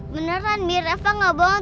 beneran mie raffa gak bohong